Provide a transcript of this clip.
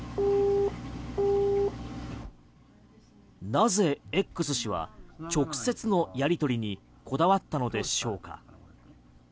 なぜＸ氏は直接のやり取りにこだわったのでしょうか？